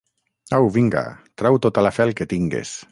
Au, vinga, trau tota la fel que tingues.